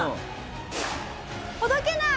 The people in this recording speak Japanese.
ほどけない！